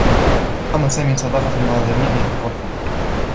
أقام سامي صداقة مع زميله في الغرفة.